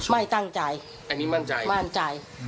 มั่นใจ